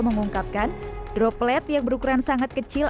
mengungkapkan droplet yang berukuran sangat kecil